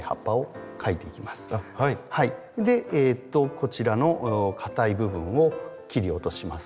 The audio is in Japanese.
こちらのかたい部分を切り落とします。